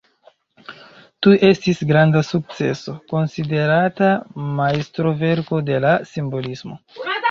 Tuj estis granda sukceso, konsiderata majstroverko de la simbolismo.